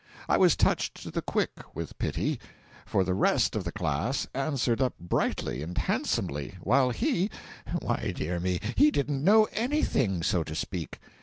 I was touched to the quick with pity; for the rest of the class answered up brightly and handsomely, while he why, dear me, he didn't know anything, so to speak.